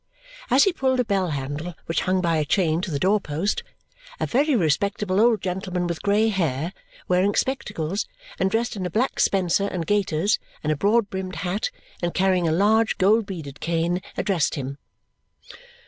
As he pulled a bell handle which hung by a chain to the door post, a very respectable old gentleman with grey hair, wearing spectacles, and dressed in a black spencer and gaiters and a broad brimmed hat, and carrying a large gold beaded cane, addressed him.